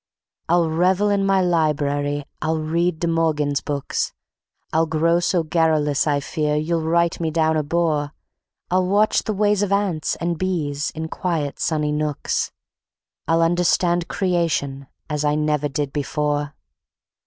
I'll revel in my library; I'll read De Morgan's books; I'll grow so garrulous I fear you'll write me down a bore; I'll watch the ways of ants and bees in quiet sunny nooks, I'll understand Creation as I never did before.